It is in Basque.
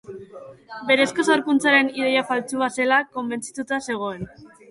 Berezko sorkuntzaren ideia faltsua zela konbentzituta zegoen.